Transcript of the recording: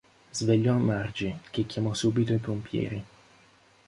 Svegliò Margie, che chiamò subito i pompieri.